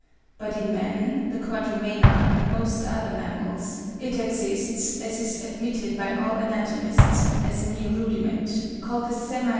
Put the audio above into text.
But in man, the quadrumana, and most other mammals, it exists, as is admitted by all anatomists, as a mere rudiment, called the semilunar fold.